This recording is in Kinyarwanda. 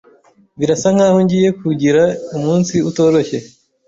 Birasa nkaho ngiye kugira umunsi utoroshye.